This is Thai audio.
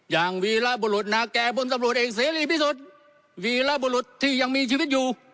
วีระบุรุษนาแก่พลตำรวจเอกเสรีพิสุทธิ์วีรบุรุษที่ยังมีชีวิตอยู่